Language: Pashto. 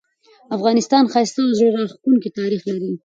افغانستان ښایسته او زړه راښکونکې تاریخ لري